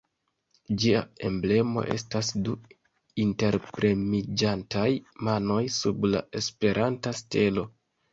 Ĝia emblemo estas du interpremiĝantaj manoj sub la Esperanta stelo.